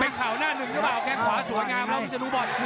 แค่หน้าหนึ่งหรือเปล่าแค่ขวาสวยงามแล้วมันจะรู้บ่อย